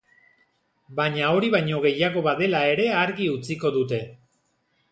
Baina hori baino gehiago badela ere argi utziko dute.